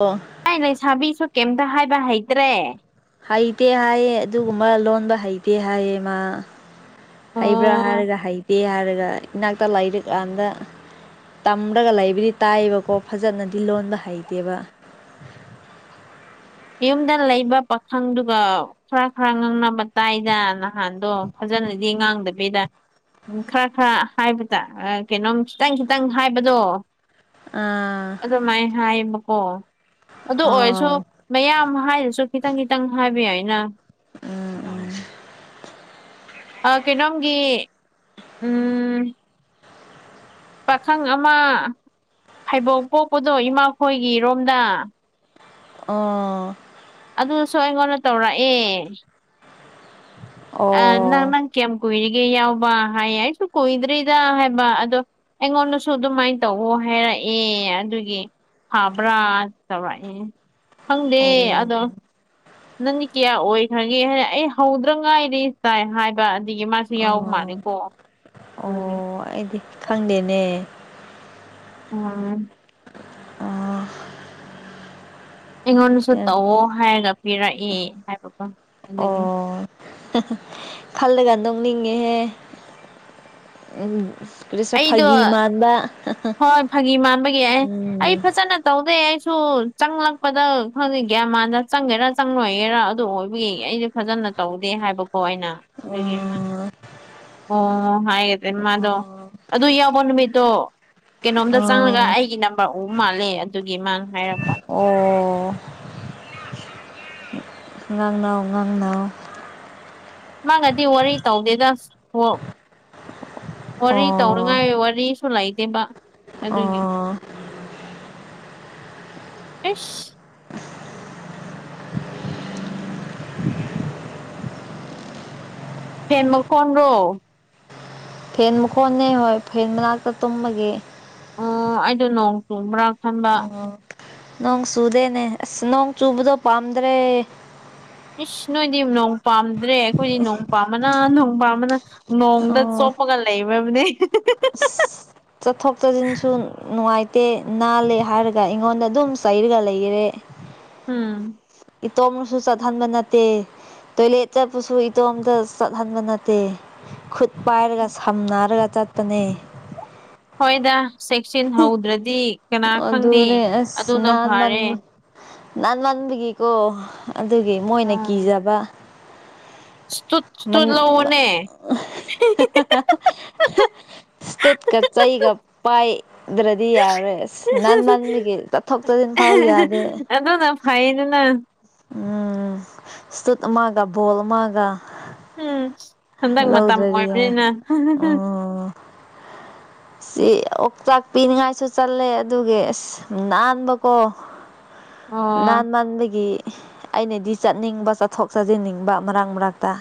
ꯑꯣ ꯑꯩ ꯂꯩꯁꯥꯕꯤꯁꯨ ꯀꯩꯝꯇ ꯍꯥꯏꯕ ꯍꯩꯇ꯭ꯔꯦ ꯍꯩꯇꯦ ꯍꯥꯏꯌꯦ ꯑꯗꯨꯒꯨꯝꯕ ꯂꯣꯟꯕ ꯍꯩꯇꯦ ꯍꯥꯏꯌꯦ ꯃꯥ ꯍꯩꯕ꯭ꯔꯥ ꯑꯣ ꯍꯥꯏꯔꯒ ꯍꯩꯇꯦ ꯍꯥꯏꯔꯒ ꯏꯅꯥꯛꯇ ꯂꯥꯏꯔꯤꯛ ꯀꯥꯟꯗ ꯇꯝꯔꯒ ꯂꯩꯕꯨꯗꯤ ꯇꯥꯏꯌꯦꯕꯀꯣ ꯐꯖꯅꯗꯤ ꯂꯣꯟꯕ ꯍꯩꯇꯦꯕ ꯌꯨꯝꯗ ꯂꯩꯕ ꯄꯥꯈꯪꯗꯨꯒ ꯈꯔ ꯈꯔ ꯉꯥꯡꯅꯕ ꯇꯥꯏꯗ ꯅꯍꯥꯟꯗꯣ ꯐꯖꯅꯗꯤ ꯉꯥꯡꯗꯕꯤꯗ ꯎꯝ ꯈꯔ ꯈꯔ ꯍꯥꯏꯕꯗ ꯀꯩꯅꯣꯝ ꯈꯤꯇꯪ ꯈꯤꯇꯪ ꯍꯥꯏꯕꯗꯣ ꯑꯥ ꯑꯗꯨꯃꯥꯏꯅ ꯍꯥꯏꯌꯦꯕꯀꯣ ꯑꯗꯨ ꯑꯣꯏꯔꯁꯨ ꯑꯥ ꯃꯌꯥꯝ ꯍꯥꯏꯗꯔꯁꯨ ꯈꯤꯇꯪ ꯈꯤꯇꯪ ꯍꯥꯏꯕꯌꯥꯏꯅ꯫ ꯎꯝ ꯎꯝ ꯀꯩꯅꯣꯝꯒꯤ ꯎꯝ ꯄꯥꯈꯪ ꯑꯃ ꯐꯩꯕꯣꯛ ꯄꯣꯛꯄꯗꯣ ꯏꯃꯥꯈꯣꯏꯒꯤꯔꯣꯝꯗ꯫ ꯑꯣ ꯑꯗꯨꯁꯨ ꯑꯩꯉꯣꯟꯗ ꯇꯧꯔꯛꯑꯦ ꯑꯥ ꯅꯪ ꯑꯣ ꯅꯪ ꯀꯌꯥꯝ ꯀꯨꯏꯔꯤꯒꯦ ꯌꯥꯎꯕ ꯍꯥꯏꯌꯦ ꯑꯩꯁꯨ ꯀꯨꯏꯗ꯭ꯔꯤꯗ ꯍꯥꯏꯕ ꯑꯗꯣ ꯑꯩꯉꯣꯟꯗꯁꯨ ꯑꯗꯨꯃꯥꯏꯅ ꯇꯧꯑꯣ ꯍꯥꯏꯔꯛꯑꯦ ꯑꯗꯨꯒꯤ ꯐꯕ꯭ꯔꯥ ꯇꯧꯔꯛꯑꯦ ꯈꯪꯗꯦ ꯑꯣ ꯑꯗꯣ ꯅꯪꯗꯤ ꯀꯌꯥ ꯑꯣꯏꯈ꯭ꯔꯒꯦ ꯍꯥꯏꯅ ꯑꯩ ꯍꯧꯗ꯭ꯔ ꯉꯥꯏꯗꯤ ꯆꯥꯏ ꯍꯥꯏꯕ꯫ ꯅꯨꯡꯒꯤ ꯃꯥꯁꯦ ꯌꯥꯎꯕ ꯑꯣ ꯃꯥꯜꯂꯦꯀꯣ ꯎꯝ ꯑꯣ ꯑꯩꯗꯤ ꯈꯪꯗꯦꯅꯦ꯫ ꯑꯣ ꯑꯥ ꯑꯩꯉꯣꯟꯗꯁꯨ ꯇꯧꯑꯣ ꯍꯥꯏꯔꯒ ꯄꯤꯔꯛꯏ ꯍꯥꯏꯕꯀꯣ ꯑꯗꯨꯒꯤ ꯈꯜꯂꯒꯥ ꯅꯣꯛꯅꯤꯡꯉꯦꯍꯦ ꯎꯝ ꯑꯗꯨꯁꯨ ꯑꯩꯗꯣ ꯐꯥꯒꯤ ꯃꯥꯟꯕ ꯍꯣꯏ ꯐꯥꯒꯤ ꯃꯥꯟꯕꯒꯤ ꯑꯩ ꯑꯩ ꯎꯝ ꯐꯖꯅ ꯇꯧꯗꯩ ꯑꯩꯁꯨ ꯆꯪꯂꯛꯄꯗ ꯈꯪꯗꯦ ꯒ꯭ꯌꯥ ꯃꯥꯟꯗ ꯆꯪꯒꯦꯔꯥ ꯆꯪꯪꯂꯣꯏꯒꯦꯔꯥ ꯑꯗꯨ ꯑꯣꯏꯕꯒꯤ ꯑꯩꯁꯨ ꯐꯖꯅ ꯇꯧꯗꯦ ꯍꯥꯏꯕꯀꯣ ꯑꯩꯅ ꯑꯗꯨꯒꯤ ꯃꯥ ꯑꯣ ꯑꯣ ꯍꯥꯏꯑꯦ ꯃꯥꯗꯣ ꯑꯣ ꯑꯗꯨ ꯌꯥꯎꯕꯣ ꯅꯨꯃꯤꯠꯇꯣ ꯀꯩꯅꯣꯝꯗ ꯆꯪꯉꯒ ꯑꯣ ꯑꯩꯒꯤ ꯅꯝꯕꯔ ꯎ ꯃꯥꯜꯂꯦ ꯑꯗꯨꯒꯤ ꯃꯥꯥꯅ ꯍꯥꯏꯔꯛꯄ꯫ ꯑꯣ ꯉꯥꯡꯅꯧ ꯉꯥꯡꯅꯧ ꯃꯥꯒꯗꯤ ꯋꯥꯔꯤ ꯇꯧꯗꯦꯗ ꯍꯣ ꯋꯥꯔꯤ ꯑꯣ ꯇꯧꯅꯉꯥꯏ ꯋꯥꯔꯤꯁꯨ ꯂꯩꯇꯦꯕ ꯑꯗꯨꯒꯤ꯫ ꯑꯣ ꯑꯁ ꯐꯦꯟ ꯃꯈꯣꯟꯗ꯭ꯔꯣ꯫ ꯐꯦꯟ ꯃꯈꯣꯟꯅꯦ ꯍꯣꯏ ꯐꯦꯟ ꯃꯅꯥꯛꯇ ꯇꯨꯝꯕꯒꯤ꯫ ꯑꯣ ꯑꯩꯗꯣ ꯅꯣꯡ ꯆꯨꯕ꯭ꯔꯥ ꯈꯟꯕ꯫ ꯅꯣꯡ ꯆꯨꯗꯦꯅꯦ ꯑꯁ ꯅꯣꯡ ꯆꯨꯕꯗꯣ ꯄꯥꯝꯗ꯭ꯔꯦ꯫ ꯏꯁ ꯅꯣꯏꯗꯤ ꯅꯣꯡ ꯄꯥꯝꯗ꯭ꯔꯦ ꯑꯩꯈꯣꯏꯗꯤ ꯅꯣꯡ ꯄꯥꯝꯕꯅ ꯅꯣꯡ ꯄꯥꯝꯕꯅ꯫ ꯅꯣꯡꯗ ꯑꯣ ꯆꯣꯞꯄꯒ ꯂꯩꯕꯔꯅꯦ꯫ ꯆꯠꯊꯣꯛ ꯆꯠꯁꯤꯟꯁꯨ ꯅꯨꯡꯉꯥꯏꯇꯦ ꯅꯥꯜꯂꯦ ꯍꯥꯏꯔꯒ ꯑꯩꯉꯣꯟꯗ ꯑꯗꯨꯝ ꯆꯩꯔꯒ ꯂꯩꯈꯔꯦ꯫ ꯎꯝ ꯏꯇꯣꯝꯅꯁꯨ ꯆꯠꯍꯟꯕ ꯅꯠꯇꯦ꯫ ꯇꯣꯏꯂꯦꯠ ꯆꯠꯄꯁꯨ ꯏꯇꯣꯝꯇ ꯆꯠꯍꯟꯕ ꯅꯠꯇꯦ ꯈꯨꯠ ꯄꯥꯏꯔꯒ ꯁꯝꯅꯔꯒ ꯆꯠꯄꯅꯦ꯫ ꯍꯣꯏꯗ ꯆꯦꯛꯁꯤꯟ ꯍꯧꯗ꯭ꯔꯗꯤ ꯀꯅꯥ ꯈꯪꯅꯤ ꯑꯗꯨꯅꯦ ꯑꯁ ꯑꯗꯨꯅ ꯅꯥꯟꯃꯟ ꯐꯔꯦ꯫ ꯅꯥꯟꯃꯟꯕꯒꯤꯀꯣ ꯑꯗꯨꯒꯤ ꯃꯣꯏꯅ ꯀꯤꯖꯕ꯫ ꯢꯁꯇꯨꯠ ꯢꯁꯇꯨꯠ ꯂꯧꯑꯣꯅꯦ꯫ ꯁꯇꯨꯠꯀ ꯆꯩꯒ ꯄꯥꯏꯗ꯭ꯔꯗꯤ ꯌꯥꯔꯦ ꯅꯟꯃꯟꯕꯒꯤ꯫ ꯊꯣꯛꯇꯗꯤꯟ ꯐꯥꯎ ꯌꯥꯗꯦ꯫ ꯑꯗꯨꯅ ꯐꯩꯌꯦꯗꯅꯥ ꯎꯝ ꯁꯇꯨꯇ ꯑꯃꯥꯒ ꯕꯣꯜ ꯑꯃꯥꯒ ꯎꯝ ꯍꯟꯗꯛ ꯃꯇꯝ ꯂꯧꯗꯥꯔꯤꯌꯦ ꯑꯣꯏꯕꯅꯤꯅ ꯑꯣ ꯁꯤ ꯑꯣꯛꯆꯥꯛ ꯄꯤꯅꯤꯡꯉꯥꯏꯁꯨ ꯆꯠꯂꯦ ꯑꯗꯨꯒꯒꯤ ꯑꯁ ꯅꯥꯟꯕꯀꯣ ꯑꯣ ꯅꯥꯟ ꯃꯟꯕꯒꯤ ꯑꯩꯅꯗꯤ ꯆꯠꯅꯤꯡꯕ ꯆꯠꯊꯣꯛ ꯆꯠꯁꯤꯟꯅꯤꯡꯕ ꯃꯔꯛ ꯃꯔꯛꯇ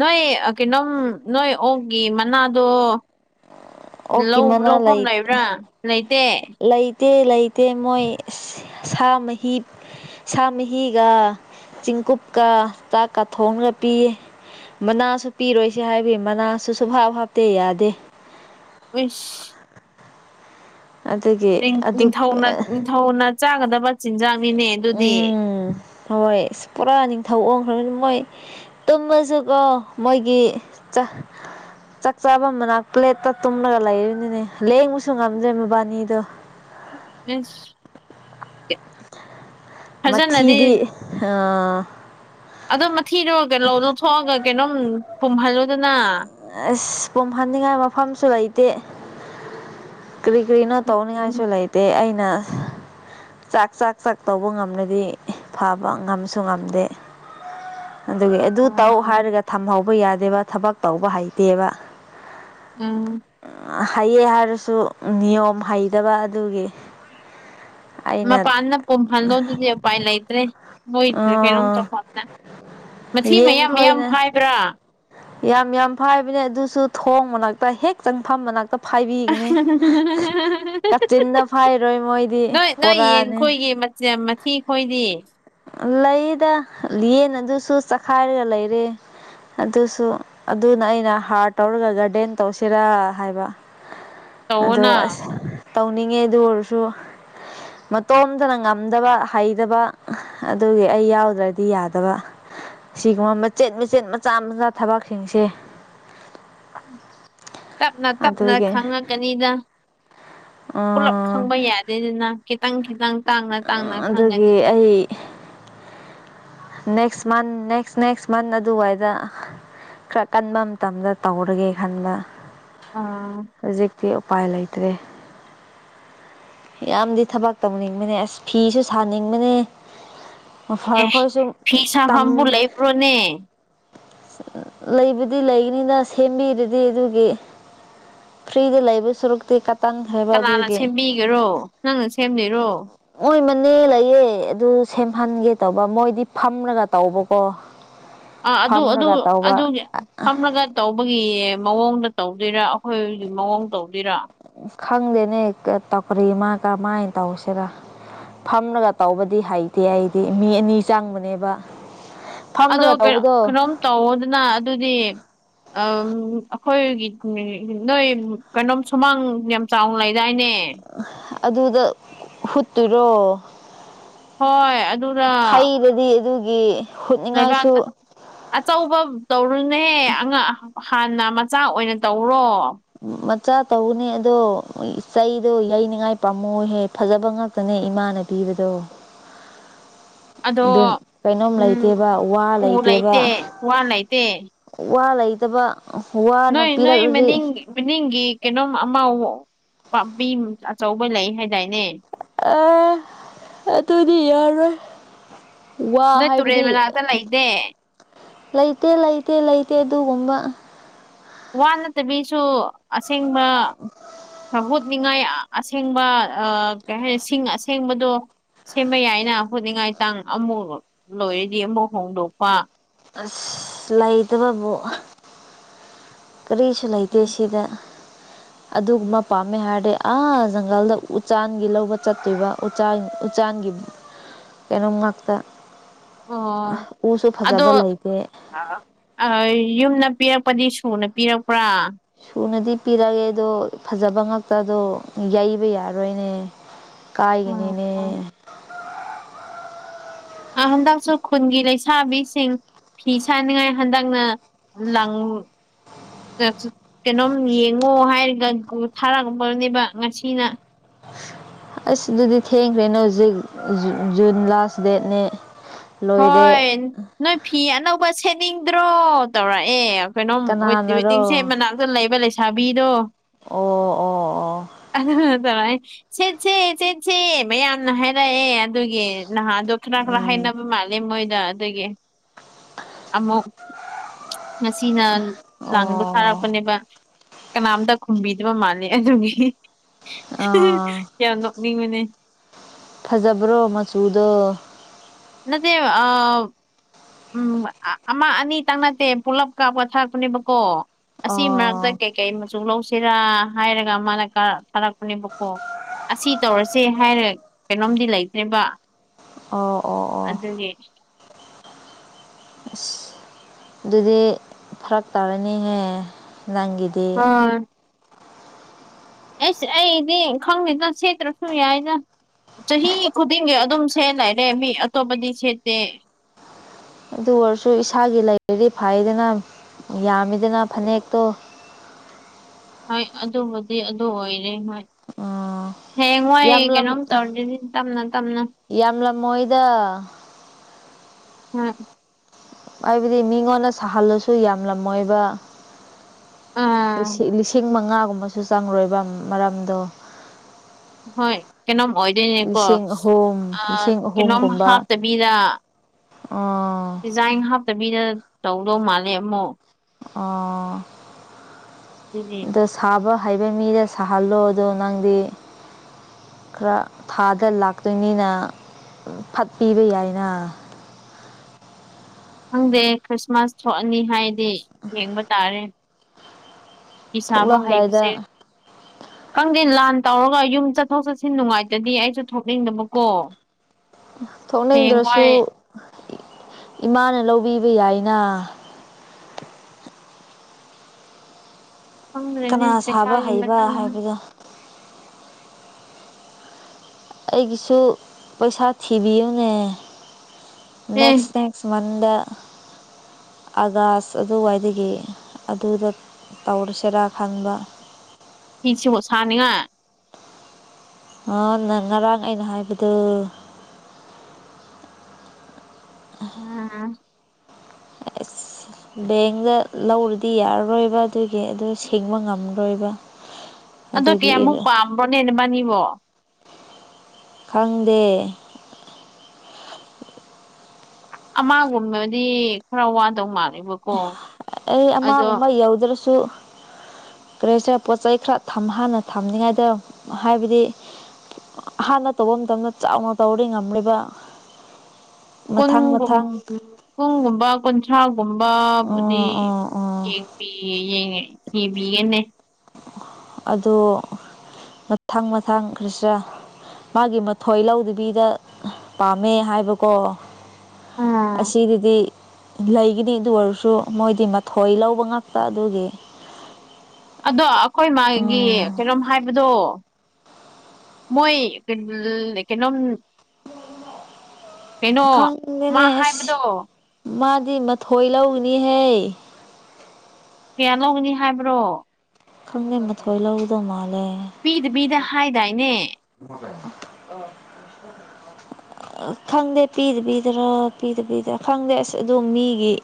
ꯅꯣꯏ ꯀꯩꯅꯣꯝ ꯅꯣꯏ ꯑꯣꯛꯒꯤ ꯃꯅꯥꯗꯣ ꯑꯣꯛꯀꯤ ꯂꯧ ꯃꯅꯥ ꯂꯧꯐꯝ ꯂꯩ ꯂꯩꯕ꯭ꯔꯥ ꯂꯩꯇꯦ ꯂꯩꯇꯦ ꯂꯩꯇꯦ ꯃꯣꯏ ꯑꯁ ꯁꯥ ꯃꯍꯤ ꯁꯥ ꯃꯍꯤꯒ ꯆꯦꯡꯀꯨꯞꯀ ꯆꯥꯛꯀ ꯊꯣꯡꯂꯒ ꯄꯤꯌꯦ ꯃꯅꯥꯁꯨ ꯄꯤꯔꯣꯏꯁꯦ ꯍꯥꯏꯕꯤꯒꯤ ꯃꯅꯥꯁꯨ ꯁꯨꯞꯍꯥꯞ ꯍꯥꯞꯇꯦ ꯌꯥꯗꯦ ꯑꯨꯁ ꯑꯗꯨꯒꯤ ꯅꯤꯡ ꯑꯗꯨ ꯅꯤꯡꯊꯧꯅ ꯅꯤꯡꯊꯧꯅ ꯆꯥꯒꯗꯕ ꯆꯤꯟꯖꯥꯛꯅꯤꯅꯦ ꯑꯗꯨꯗꯤ ꯎꯝ ꯍꯣꯏ ꯑꯁ ꯄꯨꯔꯥ ꯅꯤꯡꯊꯧ ꯑꯣꯡꯈ꯭ꯔꯕꯅꯤ ꯃꯣꯏ ꯇꯨꯝꯃꯁꯨ ꯀꯣ ꯃꯣꯏꯒꯤ ꯆꯥ ꯆꯥꯛ ꯆꯥꯐꯝ ꯃꯅꯥꯛ ꯄ꯭ꯂꯦꯠꯇ ꯇꯨꯝꯂꯒ ꯂꯩꯔꯤꯅꯤꯅꯦ ꯂꯦꯡꯕꯁꯨ ꯉꯝꯗ꯭ꯔꯦ ꯃꯕꯥꯏꯅꯤꯗꯣ [unintelligible] ꯐꯖꯅꯗꯤ ꯃꯊꯤꯗꯤ ꯑꯥ ꯑꯗꯣ ꯃꯊꯤꯗꯣ ꯀꯩ ꯂꯧ ꯂꯧ ꯂꯧꯊꯣꯛꯑꯒ ꯀꯩꯅꯣꯝ ꯄꯨꯝꯍꯜꯂꯨꯗꯅ ꯑꯁ ꯄꯨꯝꯍꯟꯅꯤꯡꯉꯥꯏ ꯃꯐꯝꯁꯨ ꯂꯩꯇꯦ ꯀꯔꯤ ꯀꯔꯤꯅꯣ ꯇꯧꯅꯤꯡꯉꯥꯏꯁꯨ ꯎꯝ ꯂꯩꯥꯏꯇꯦ ꯑꯩꯅ ꯆꯥꯛ ꯆꯥꯛ ꯆꯥꯛ ꯇꯧꯕ ꯉꯝꯅꯗꯤ ꯐꯕ ꯉꯝꯁꯨ ꯉꯝꯗꯦ ꯑꯗꯨꯒꯤ ꯑꯗꯨ ꯇꯧ ꯍꯥꯏꯔꯒ ꯊꯝꯍꯧꯕ ꯌꯥꯗꯦꯕ ꯊꯕꯛ ꯇꯧꯕ ꯍꯩꯇꯦꯕ ꯎꯝ ꯑ ꯍꯩꯌꯦ ꯍꯥꯏꯔꯁꯨ ꯅꯤꯌꯣꯝ ꯍꯩꯇꯕ ꯑꯗꯨꯒꯤ ꯑꯩꯅ ꯃꯄꯥꯟꯗ ꯄꯨꯝꯍꯜꯂꯣꯗꯨꯗꯤ ꯎꯄꯥꯏ ꯂꯩꯇ꯭ꯔꯦ ꯃꯣꯏꯗꯨꯗ ꯀꯩꯅꯣꯝ ꯇꯧ [unintelligible] ꯃꯊꯤ ꯌꯦꯟ ꯃꯌꯥꯝ ꯃꯌꯥꯝ ꯈꯣꯏꯅ ꯐꯥꯏꯕ꯭ꯔꯥ ꯌꯥꯝ ꯌꯥꯝ ꯐꯥꯏꯕꯅꯦ ꯑꯗꯨꯁꯨ ꯊꯣꯡ ꯃꯅꯥꯛꯇ ꯍꯦꯛ ꯆꯪꯐꯝ ꯃꯅꯥꯛꯇ ꯐꯥꯏꯕꯤꯒꯅꯤ ꯀꯥꯆꯤꯟꯗ ꯐꯥꯏꯔꯣꯏ ꯃꯣꯏꯗꯤ ꯕꯣꯔꯥꯅꯤ ꯆꯦ ꯃꯊꯤ ꯑꯩꯈꯣꯏꯗꯤ ꯂꯩꯌꯦꯗ ꯂꯦꯟ ꯑꯗꯨꯁꯨ ꯆꯈꯥꯏꯔꯒ ꯂꯩꯔꯦ ꯑꯗꯨꯁꯨ ꯑꯗꯨꯅ ꯑꯩꯅ ꯍꯥꯔ ꯇꯧꯔꯒ ꯒꯥꯔꯗꯦꯟ ꯇꯧꯁꯤꯔꯥ ꯍꯥꯏꯕ ꯑꯗꯣ ꯇꯧꯑꯣꯅ ꯑꯁ ꯇꯧꯅꯤꯡꯉꯦ ꯑꯗꯨ ꯑꯣꯏꯔꯁꯨ ꯃꯇꯣꯝꯇꯅ ꯉꯝꯗꯕ ꯍꯩꯇꯕ ꯑ ꯑꯗꯨꯒꯤ ꯑꯩ ꯌꯥꯎꯗ꯭ꯔꯥꯗꯤ ꯌꯥꯗꯕ ꯁꯤꯒꯨꯝꯕ ꯃꯆꯦꯠ ꯃꯆꯦꯠ ꯃꯆꯥ ꯃꯆꯥ ꯊꯕꯛꯁꯤꯡꯁꯦ ꯇꯞꯅ ꯇꯞꯅ ꯑꯗꯨꯒꯤ ꯈꯪꯉꯛꯀꯅꯤꯗ ꯄꯨꯂꯞ ꯎꯝ ꯈꯪꯕ ꯌꯥꯗꯦꯗꯅ ꯈꯤꯇꯪ ꯈꯤꯇꯪ ꯇꯥꯡꯅ ꯇꯥꯡꯅ ꯑꯗꯨꯒꯤ ꯈꯪꯒꯅꯤꯗ ꯑꯩ next month next next month ꯑꯗꯨꯋꯥꯏꯗ ꯈꯔ ꯀꯟꯕ ꯃꯇꯝꯗ ꯇꯧꯔꯒꯦ ꯈꯟꯕ ꯑꯥ ꯍꯦ ꯎꯄꯥꯏ ꯂꯩꯇ꯭ꯔꯦ ꯌꯥꯝꯗꯤ ꯊꯕꯛ ꯇꯧꯅꯤꯡꯕꯅꯦ ꯑꯁ ꯐꯤꯁꯨ ꯁꯥꯅꯤꯡꯕꯅꯦ ꯑꯦ ꯑꯣꯐꯔꯈꯣꯏꯁꯨ ꯐꯤ ꯇꯝ ꯁꯥꯐꯝꯕꯨ ꯂꯩꯕ꯭ꯔꯣꯅꯦ ꯂꯩꯕꯨꯗꯤ ꯂꯩꯅꯤꯗ ꯁꯦꯝꯕꯤꯔꯗꯤ ꯑꯗꯨꯒꯤ ꯐ꯭ꯔꯤꯗ ꯂꯩꯕ ꯁꯨꯔꯨꯛꯇꯤ ꯀꯠ ꯀꯅꯥꯥꯅ ꯁꯦꯝꯕꯤꯒꯔꯣ ꯅꯪꯅ ꯁꯦꯝꯂꯤꯔꯣ ꯃꯣꯏ ꯃꯅꯦ ꯂꯩꯌꯦ ꯑꯗꯨ ꯁꯦꯝꯍꯟꯒꯦ ꯇꯧꯕ ꯃꯣꯏꯗꯤ ꯐꯝꯔꯒ ꯇꯧꯕꯀꯣ ꯑ ꯑꯗꯨ ꯑꯗꯨ ꯐꯝꯔꯒ ꯇꯧꯕ ꯑꯗꯨꯒꯦ ꯐꯝꯂꯒ ꯇꯧꯕꯒꯤ ꯃꯑꯣꯡꯗ ꯇꯧꯗꯣꯏꯔꯥ ꯑꯩꯈꯣꯏꯒꯤ ꯃꯑꯣꯡ ꯇꯧꯗꯣꯏꯔꯥ ꯈꯪꯗꯦꯅꯦ ꯀ ꯇꯧꯀꯥꯔꯤ ꯃꯥ ꯀꯃꯥꯏꯟ ꯇꯧꯁꯤꯔ ꯐꯝꯂꯒ ꯇꯧꯕꯗꯤ ꯍꯩꯇꯦ ꯑꯩꯗꯤ ꯃꯤ ꯑꯅꯤ ꯆꯪꯕꯅꯦꯕ ꯐꯝꯔꯒ ꯇꯧꯕꯗꯣ ꯇꯧꯑꯣꯗꯅ ꯑꯗꯨꯗꯤ ꯑꯝ ꯑꯈꯣꯏꯒꯤ ꯅꯣꯏ ꯀꯩꯅꯣꯝ ꯁꯨꯃꯥꯡ ꯌꯥꯝ ꯆꯥꯎꯅ ꯂꯩꯗꯥꯏꯅꯦ ꯑꯗꯨꯗ ꯍꯨꯠꯇꯨꯔꯣ ꯍꯣꯏ ꯑꯗꯨꯗ ꯐꯩꯔꯗꯤ ꯑꯗꯨꯒꯤ ꯍꯨꯠꯅꯤꯡꯉꯥꯏꯁꯨ ꯂꯩꯕꯛꯇ ꯑꯆꯧꯕ ꯇꯧꯔꯨꯅꯦ ꯑꯉꯥꯡ ꯍꯥꯟꯅ ꯃꯆꯥ ꯑꯣꯏꯅ ꯇꯧꯔꯣ ꯃꯆꯥ ꯇꯧꯅꯦ ꯑꯗꯣ ꯏꯆꯩꯗꯣ ꯌꯩꯅꯤꯡꯉꯥꯏ ꯄꯥꯝꯃꯨꯍꯦꯛ ꯐꯖꯕ ꯉꯥꯛꯇꯅꯦ ꯏꯃꯥꯅ ꯄꯤꯕꯗꯣ ꯑꯗꯣ ꯑꯗꯨ ꯀꯩꯅꯣꯝ ꯎꯝ ꯂꯩꯇꯦꯕ ꯋꯥ ꯎ ꯂꯩꯇꯦꯕ ꯂꯩꯇꯦ ꯋꯥ ꯂꯩꯇꯦ ꯋꯥ ꯂꯩꯇꯕ ꯋꯥꯅ ꯅꯣꯏ ꯅꯣꯏ ꯄꯤꯔꯛꯂꯗꯤ ꯃꯅꯤꯡ ꯃꯅꯤꯡꯒꯤ ꯀꯩꯅꯣꯝ ꯑꯃꯥꯎ ꯄꯥꯝꯕꯤ ꯑꯆꯧꯕ ꯂꯩ ꯍꯥꯏꯗꯥꯏꯅꯦ ꯑꯥ ꯑꯗꯨꯗꯤ ꯌꯥꯔꯣꯏ ꯋꯥ ꯅꯣꯏ ꯇꯨꯔꯦꯜ ꯍꯥꯏꯕꯗꯤ ꯃꯅꯥꯛꯇ ꯂꯩꯇꯦ ꯂꯩꯇꯦ ꯂꯩꯇꯦ ꯂꯩꯇꯦ ꯑꯗꯨꯒꯨꯝꯕ ꯋꯥ ꯅꯠꯇꯕꯤꯁꯨ ꯑꯁꯦꯡꯕ ꯃꯍꯨꯠ ꯅꯤꯡꯉꯥꯏ ꯑꯁꯦꯡꯕ ꯑꯥ ꯀꯩ ꯍꯥꯏꯅꯤ ꯁꯤꯡ ꯑꯁꯦꯡꯕꯗꯣ ꯁꯦꯝꯕ ꯌꯥꯏꯅ ꯍꯣꯠꯅꯤꯡꯉꯥꯏꯇꯥꯡ ꯑꯃꯨꯛ ꯂꯣꯏꯔꯗꯤ ꯑꯃꯨꯛ ꯍꯣꯡꯗꯣꯛꯄ ꯑꯁ ꯂꯩꯇꯕꯕꯨ ꯀꯔꯤꯁꯨ ꯂꯩꯇꯦ ꯁꯤꯗ ꯑꯗꯨꯒꯨꯝꯕ ꯄꯥꯝꯃꯦ ꯍꯥꯏꯔꯗꯤ ꯑꯥ ꯖꯪꯒꯜꯗ ꯎ ꯆꯥꯟꯒꯤ ꯂꯧꯕ ꯆꯠꯇꯣꯏꯕ ꯆꯥꯟ ꯎꯆꯥꯟꯒꯤ ꯀꯩꯅꯣꯝ ꯉꯥꯛꯇ ꯑ ꯑꯣ ꯎꯁꯨ ꯐꯖꯕ ꯑꯗꯣ ꯂꯩꯇꯦ ꯑ ꯌꯨꯝꯅ ꯄꯤꯔꯛꯄꯗꯤ ꯁꯨꯅ ꯄꯤꯔꯛꯄ꯭ꯔꯥ ꯊꯨꯅꯗꯤ ꯄꯤꯔꯛꯑꯦ ꯑꯗꯣ ꯐꯖꯕ ꯉꯛꯇ ꯗꯣ ꯌꯩꯕ ꯌꯥꯔꯣꯏꯅꯦꯕ ꯎꯝ ꯀꯥꯏꯒꯤꯅꯤꯅꯦ ꯎꯝ ꯑꯥ ꯍꯟꯗꯛꯁꯨ ꯈꯨꯟꯒꯤ ꯂꯩꯁꯥꯕꯤꯁꯤꯡ ꯐꯤ ꯁꯥꯅꯤꯡꯉꯥꯏ ꯍꯟꯗꯛꯅ ꯂꯪ ꯀꯩꯅꯣꯝ ꯌꯦꯡꯉꯣ ꯍꯥꯏꯔꯒ ꯊꯥꯔꯛꯕꯅꯦꯕ ꯉꯁꯤꯅ [inaudible] ꯑꯁ ꯑꯗꯨꯗꯤ ꯊꯦꯡꯈ꯭ꯔꯦꯅꯦ ꯍꯧꯖꯤꯛ ꯖꯨ ꯖꯨꯟ ꯂꯥꯁ ꯗꯦꯠꯅꯦ ꯂꯣꯏꯔꯦ ꯍꯣꯏ ꯅꯣꯏ ꯐꯤ ꯑꯅꯧꯕ ꯁꯦꯠꯅꯤꯡꯗ꯭ꯔꯣ ꯇꯧꯔꯛꯑꯦ ꯀꯩꯅꯣꯝ ꯋꯦ ꯋꯦꯇꯤꯡ ꯀꯅꯥꯅꯔꯣ ꯁꯦꯝ ꯃꯅꯥꯛꯇ ꯂꯩꯕ ꯂꯩꯁꯥꯕꯤꯗꯣ ꯑꯣ ꯑꯣ ꯑꯣ [unintelligible] ꯁꯦꯠꯁꯦ ꯁꯦꯠꯁꯦ ꯃꯌꯥꯝꯅ ꯍꯥꯏꯔꯛꯑꯦ ꯑꯗꯨꯒꯤ ꯅꯍꯥꯟꯗꯣ ꯈꯔ ꯈꯔ ꯎꯝ ꯍꯥꯏꯅꯕ ꯃꯥꯜꯂꯦ ꯃꯣꯏꯗ ꯑꯗꯨꯒꯤ [inaudible] ꯑꯃꯨꯛ ꯉꯁꯤꯅ ꯂꯥꯡꯕ ꯑꯣ ꯊꯥꯔꯛꯄꯅꯦꯕ ꯀꯅꯥꯝꯇ ꯈꯨꯝꯕꯤꯗꯕ ꯃꯥꯂꯦ ꯑꯗꯨꯒꯤ ꯑꯥ ꯌꯥꯝ ꯅꯣꯛꯅꯤꯡꯕꯅꯦ ꯐꯖꯕ꯭ꯔꯣ ꯃꯆꯨꯗꯣ ꯅꯠꯇꯦ ꯑ ꯎꯝ ꯑꯃ ꯑꯅꯤꯇꯪ ꯅꯠꯇꯦ ꯄꯨꯂꯞ ꯀꯥꯞꯄ ꯊꯥꯔꯛꯄꯅꯦꯕꯀꯣ ꯑꯁꯤ ꯃꯔꯛꯇ ꯑꯣ ꯀꯩꯀꯩ ꯃꯆꯨ ꯂꯧꯁꯤꯔꯥ ꯍꯥꯏꯔꯒ ꯃꯥꯅ ꯊꯥꯔꯛꯄꯅꯦꯕꯀꯣ ꯑꯁꯤ ꯇꯧꯔꯁꯦ ꯍꯥꯏꯔ ꯀꯩꯅꯣꯝꯗꯤ ꯂꯩꯇ꯭ꯔꯦꯕ ꯑꯧ ꯑꯣ ꯑꯣ ꯑꯗꯨꯒꯤ ꯑꯁ ꯑꯗꯨꯗꯤ ꯐꯔꯛ ꯇꯥꯔꯅꯤꯍꯦ ꯅꯪꯒꯤꯗ ꯍꯣꯏ ꯍꯩꯁ ꯑꯩꯗꯤ ꯈꯪꯗꯦꯗ ꯁꯦꯠꯇ꯭ꯔꯁꯨ ꯌꯥꯏꯗ ꯆꯍꯤ ꯈꯨꯗꯤꯡꯒꯤ ꯑꯗꯨꯝ ꯁꯦꯠꯂꯑꯦ ꯂꯦ ꯃꯤ ꯑꯇꯣꯞꯄꯗꯤ ꯁꯦꯠꯇꯦ ꯑꯗꯨ ꯑꯣꯏꯔꯁꯨ ꯏꯁꯥꯒꯤ ꯂꯩꯔꯗꯤ ꯐꯥꯏꯌꯦꯗꯅ ꯌꯥꯝꯃꯤꯗꯅ ꯐꯅꯦꯛꯇꯣ ꯍꯣꯏ ꯑꯗꯨꯕꯨꯗꯤ ꯑꯗꯨ ꯑꯣꯏꯔꯦ ꯍꯣꯏ ꯑ ꯍꯌꯦꯡꯋꯥꯏ ꯌꯥꯝꯂꯝ ꯀꯩꯅꯣꯝ ꯇꯧꯔꯗꯤ ꯇꯞꯅ ꯇꯞꯅ ꯌꯥꯝꯂꯝꯃꯣꯏꯗ [unintelligible] ꯍꯥꯏꯕꯗꯤ ꯃꯤꯉꯣꯟꯗ ꯁꯥꯍꯜꯂꯁꯨ ꯌꯥꯝꯂꯝꯃꯣꯏꯕ ꯑꯥ ꯂꯤꯁꯤꯡ ꯂꯤꯁꯤꯡ ꯃꯉꯥꯒꯨꯝꯕꯁꯨ ꯆꯪꯔꯣꯏꯕ ꯃꯔꯝꯗꯣ ꯍꯣꯏ ꯀꯩꯅꯣꯝ ꯑꯣꯏꯗꯣꯏꯅꯦꯀꯣ ꯂꯤꯁꯤꯡ ꯑꯍꯨꯝ ꯑ ꯂꯤꯁꯤꯡ ꯀꯩꯅꯣꯝ ꯍꯥꯞꯇꯕꯤꯗ ꯑꯣ ꯗꯤꯖꯥꯏꯟ ꯍꯥꯞꯇꯕꯤꯗ ꯇꯧꯗꯧ ꯃꯥꯜꯂꯦ ꯑꯃꯨꯛ ꯑꯣ ꯗꯨꯅꯦ ꯊꯥꯕ ꯍꯩꯕ ꯃꯤꯗ ꯁꯥꯍꯜꯂꯣ ꯑꯗꯣ ꯅꯪꯗꯤ ꯈꯔ ꯊꯥꯗ ꯂꯥꯛꯇꯣꯏꯅꯤꯅ ꯐꯠ ꯄꯤꯕ ꯌꯥꯏꯅ ꯈꯪꯗꯦ ꯈ꯭ꯔꯤꯁꯃꯥꯁ ꯊꯣꯛꯑꯅꯤ ꯍꯥꯏꯗꯤ ꯌꯦꯡꯕ ꯇꯥꯔꯦ ꯐꯤ ꯁꯥꯕ ꯊꯣꯛꯂꯝꯗꯥꯏꯗ ꯍꯩꯕꯁꯦ ꯈꯪꯗꯦ ꯂꯥꯟ ꯇꯧꯔꯒ ꯌꯨꯝ ꯆꯠꯊꯣꯛ ꯆꯠꯁꯤꯟ ꯅꯨꯡꯉꯥꯏꯇꯗꯤ ꯑꯩꯁꯨ ꯊꯣꯛꯅꯤꯡꯗꯕꯀꯣ ꯊꯣꯛꯅꯤꯡꯗ꯭ꯔꯁꯨ ꯍꯌꯦꯡꯋꯥꯏ ꯏꯃꯥꯅ ꯂꯧꯕꯤꯕ ꯌꯥꯏꯅ ꯈꯪꯗ꯭ꯔꯦꯅꯦ ꯀꯅꯥ ꯁꯥꯕ ꯄꯩꯁꯥꯒꯤ ꯍꯩꯕ ꯃꯇꯥꯡꯗ ꯍꯥꯏꯕꯗꯣ ꯑꯩꯒꯤꯁꯨ ꯄꯩꯁꯥ ꯊꯤꯕꯤꯌꯨꯅꯦ ꯑꯦ ꯅꯦꯛꯁ ꯅꯦꯛꯇꯦ ꯁ꯭ꯃꯟꯗ ꯑꯥꯒꯥꯁ ꯑꯗꯨꯋꯥꯏꯗꯒꯤ ꯑꯗꯨꯗ ꯇꯧꯔꯁꯤꯔꯥ ꯈꯟꯕ ꯐꯤꯁꯤꯕꯣ ꯁꯥꯅꯤꯡꯉꯥꯏ ꯍꯥ ꯅꯪ ꯉꯔꯥꯡ ꯑꯩꯅ ꯍꯥꯏꯕꯗꯨ ꯎꯝ ꯑꯁ ꯕꯦꯡꯗ ꯂꯧꯔꯗꯤ ꯌꯥꯔꯔꯣꯏꯕ ꯑꯗꯨꯒꯤ ꯑꯗꯨ ꯁꯤꯡꯕ ꯉꯝꯔꯣꯏꯕ [unintelligible] ꯑꯣ ꯀꯌꯥꯃꯨꯛ ꯄꯥꯝꯕ꯭ꯔꯣꯅꯦ ꯅꯃꯥꯅꯤꯕꯣ ꯈꯪꯗꯦ ꯑꯃꯒꯨꯝꯕꯗꯤ ꯈꯔ ꯋꯥꯗꯧ ꯃꯥꯜꯂꯦꯕꯣ ꯑꯩ ꯑꯃꯒꯨꯝꯕ ꯌꯧꯗ꯭ꯔꯁꯨ ꯀ꯭ꯔꯦꯆ ꯄꯣꯠ ꯆꯩ ꯈꯔ ꯊꯝ ꯍꯥꯟꯅ ꯊꯝꯅꯤꯡꯉꯥꯏꯗꯣ ꯍꯥꯏꯕꯗꯤ ꯍꯥꯟꯅ ꯇꯧꯕ ꯃꯇꯝꯗ ꯆꯥꯎꯅ ꯇꯧꯔꯗꯤ ꯉꯝꯂꯣꯏꯕ ꯃꯊꯪ ꯀꯨꯟꯒꯨꯝ ꯃꯊꯪ ꯄꯨꯡꯒꯨꯝꯕ ꯀꯨꯟꯊ꯭ꯔꯥꯒꯨꯝꯕꯕꯨꯗꯤ ꯑꯣ ꯑꯣ ꯑꯣ ꯀꯦꯡꯄꯤ ꯌꯦꯡꯉ ꯏꯕꯤꯒꯦꯅꯦ ꯑꯗꯣ ꯃꯊꯪ ꯃꯊꯪ ꯈ꯭ꯔꯤꯁꯤꯔ ꯃꯥꯒꯤ ꯃꯊꯣꯏ ꯂꯧꯗꯕꯤꯗ ꯄꯥꯝꯃꯦ ꯍꯥꯏꯕꯀꯣ ꯎꯝ ꯑꯁꯤꯗꯗꯤ ꯂꯩꯒꯤꯅꯤ ꯑꯗꯨ ꯑꯣꯏꯔꯁꯨ ꯃꯣꯏꯗꯤ ꯃꯊꯣꯏ ꯂꯧꯕ ꯉꯥꯛꯇ ꯑꯗꯨꯒꯤ ꯑꯗꯣ ꯑꯩꯈꯣꯏ ꯃꯥꯒꯤ ꯎꯝ ꯀꯩꯅꯣꯝ ꯍꯥꯏꯕꯗꯣ ꯃꯣꯏ [unintelligible] ꯀꯩꯅꯣꯝ ꯀꯩꯅꯣ ꯃꯥ ꯈꯪꯗꯦꯅꯦ ꯑꯁ ꯍꯥꯏꯕꯗꯣ ꯃꯥꯗꯤ ꯃꯊꯣꯏ ꯂꯧꯅꯤꯍꯦ ꯀꯌꯥ ꯂꯧꯒꯅꯤ ꯍꯥꯏꯕ꯭ꯔꯣ ꯈꯪꯗꯦ ꯃꯊꯣꯏ ꯂꯧꯗꯧ ꯃꯥꯜꯂꯦ ꯄꯤꯗ ꯄꯤꯗ ꯍꯥꯏꯗꯥꯏꯅꯦ [unintelligible] ꯈꯪꯗꯦ ꯄꯤꯗꯕꯤꯗꯔꯥ ꯄꯤꯗꯕꯤꯗꯔꯥ ꯈꯪꯗꯦ ꯑꯁ ꯑꯗꯨ ꯃꯤꯒꯤ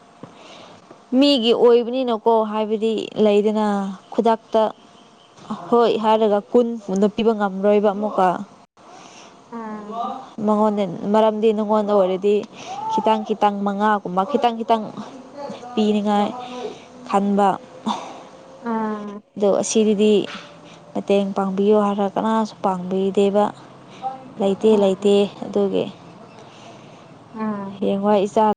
ꯃꯤꯒꯤ ꯑꯣꯏꯕꯅꯤꯅꯀꯣ ꯍꯥꯏꯕꯗꯤ ꯂꯩꯗꯅ ꯈꯨꯗꯛꯇ ꯍꯣꯏ ꯍꯥꯏꯔꯒ ꯀꯨꯟ ꯄꯨꯟꯅ ꯄꯤꯕ ꯉꯝꯂꯣꯏꯕ ꯑꯃꯨꯛꯀ ꯍꯜꯂꯣ ꯎꯝ ꯃꯉꯣꯟꯗꯩ ꯃꯔꯛ ꯪꯗꯤ ꯅꯉꯣꯟꯗ ꯑꯣꯏꯔꯗꯤ ꯈꯤꯇꯪ ꯈꯤꯇꯪ ꯃꯉꯥꯒꯨꯝꯕ ꯈꯤꯇꯪ ꯈꯤꯇꯪ ꯄꯤꯅꯤꯉꯥꯏ ꯈꯟꯕ ꯎꯝ ꯇꯤꯔꯗꯤ ꯃꯇꯦꯡ ꯄꯥꯡꯕꯤꯌꯨ ꯍꯥꯏꯔ ꯀꯅꯥꯁꯨ ꯄꯥꯡꯕꯤꯗꯦꯕ ꯂꯩꯇꯦ ꯎꯝ ꯂꯩꯇꯦ ꯑꯗꯨꯒꯤ ꯎꯝ ꯍꯌꯦꯡꯋꯥꯏ ꯏꯆꯥ